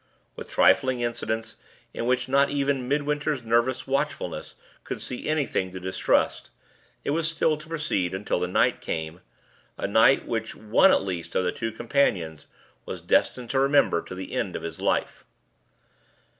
With trifling incidents, in which not even Midwinter's nervous watchfulness could see anything to distrust, it was still to proceed, until the night came a night which one at least of the two companions was destined to remember to the end of his life.